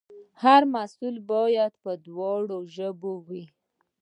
هر محصول باید په دواړو ژبو وي.